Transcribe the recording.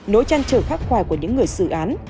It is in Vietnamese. nỗi trăn trở khắc khoài của những người xử án